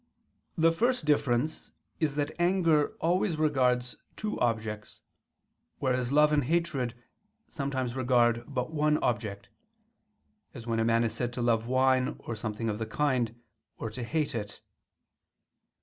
The first difference is that anger always regards two objects: whereas love and hatred sometimes regard but one object, as when a man is said to love wine or something of the kind, or to hate it.